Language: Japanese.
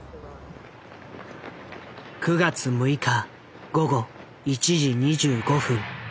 ９月６日午後１時２５分。